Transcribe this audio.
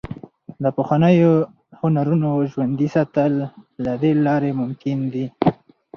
د پخوانیو هنرونو ژوندي ساتل له دې لارې ممکن دي.